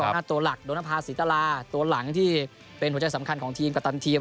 หน้าตัวหลักโดนภาษีตราตัวหลังที่เป็นหัวใจสำคัญของทีมกัปตันทีม